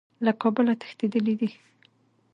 له کابله تښتېدلی دی.